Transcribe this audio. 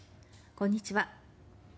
こんにちは。